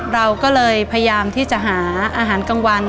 เราก็เลยพยายามที่จะหาอาหารกลางวัน